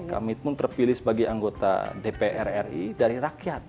kami pun terpilih sebagai anggota dpr ri dari rakyat